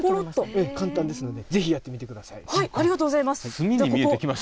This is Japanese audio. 簡単ですので、ぜひやってみてください。